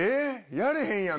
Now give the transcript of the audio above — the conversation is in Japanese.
やれへんやん！